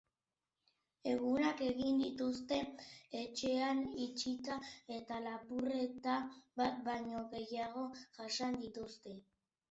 Egunak egin dituzte etxean itxita, eta lapurreta bat baino gehiago jasan dituzte.